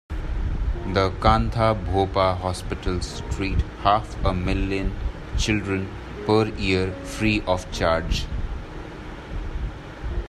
The Kantha Bopha hospitals treat half a million children per year free of charge.